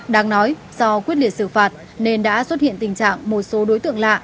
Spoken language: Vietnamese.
đáng nói do quyết liệt xử phạt nên đã xuất hiện tình trạng một số đối tượng lạ